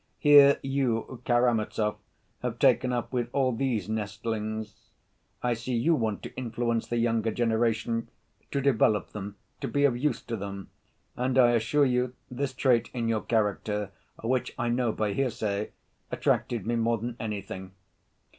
Here you, Karamazov, have taken up with all these nestlings. I see you want to influence the younger generation—to develop them, to be of use to them, and I assure you this trait in your character, which I knew by hearsay, attracted me more than anything.